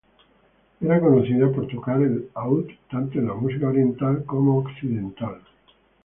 Era conocida por tocar el oud, tanto en la música oriental como occidental.